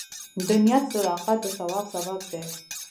د نیت صداقت د ثواب سبب دی.